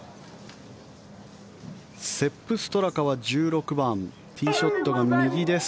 セップ・ストラカは１６番ティーショットが右です。